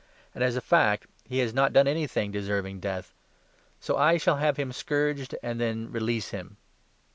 And, as a fact, he has not done anything deserving death ; so I shall have him scourged, and then release him."